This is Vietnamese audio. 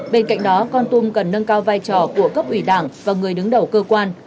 bên cạnh đó con tum cần nâng cao vai trò của cấp ủy đảng và người đứng đầu cơ quan